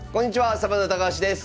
サバンナ高橋です。